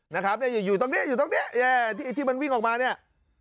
นะครับอยู่ตรงนี้อยู่ตรงนี้ที่มันวิ่งออกมาเนี่ย